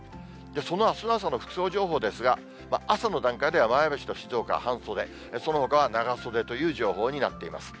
そのあすの朝の服装情報ですが、朝の段階では前橋と静岡半袖、そのほかは長袖という情報になっています。